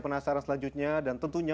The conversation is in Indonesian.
penasaran selanjutnya dan tentunya